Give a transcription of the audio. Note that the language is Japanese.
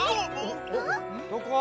どこ？